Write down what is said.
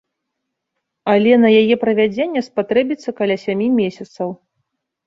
Але на яе падвядзенне спатрэбіцца каля сямі месяцаў.